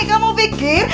gak mau pikir